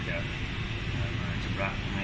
ที่จะมาจับรับให้